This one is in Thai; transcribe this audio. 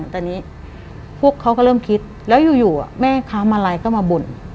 แต่นี้พวกเขาก็เริ่มคิดแล้วอยู่แม่ค้ามาลัยก็มาบ่น